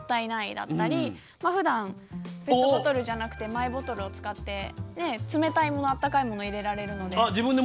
だったりふだん、ペットボトルじゃなくてマイボトルを使っていて冷たいものも温かいものも入れられるので。